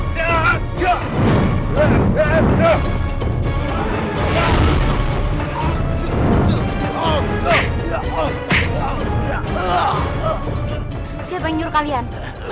siapa yang menyuruh kalian